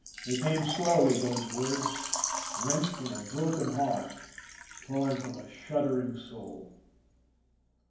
They came slowly, those words, wrenched from a broken heart, torn from a shuddering soul.